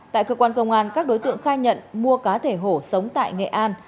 tại cơ quan công an các đối tượng khai nhận mua cá thể hổ sống tại nghệ an